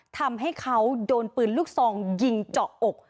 ทำให้เขาโดนปืนลูกซองยิงเจาะอก